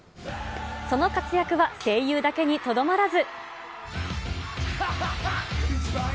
その活躍は声優だけにとどまらず。